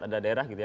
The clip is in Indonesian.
ada daerah gitu ya